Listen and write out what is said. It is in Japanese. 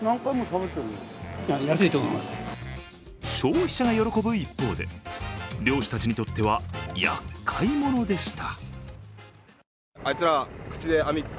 消費者が喜ぶ一方で漁師たちにとってはやっかいものでした。